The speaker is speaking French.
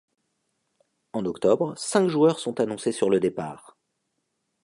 En octobre, cinq joueurs sont annoncés sur le départ.